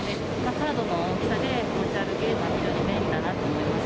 カードの大きさで持ち運べるのは非常に便利だなと思います。